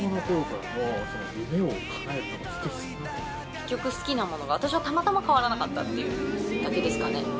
結局好きなものが私はたまたま変わらなかったっていうだけですかね。